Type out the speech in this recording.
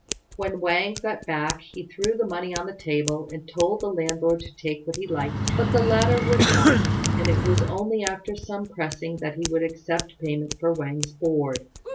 When Wang got back he threw the money on the table and told the landlord to take what he liked; but the latter would not, and it was only after some pressing that he would accept payment for Wang's board.